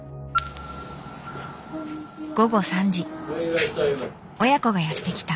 午後３時親子がやって来た。